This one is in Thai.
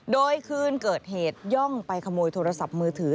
โดยคืนเกิดเหตุย่องไปขโมยโทรศัพท์มือถือ